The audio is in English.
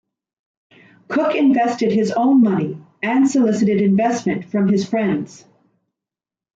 Cook invested his own money and solicited investment from his friends.